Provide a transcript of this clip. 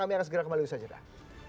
sampai jumpa lagi di sajedah